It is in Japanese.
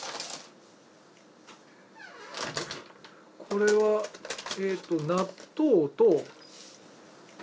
これはええと納豆と？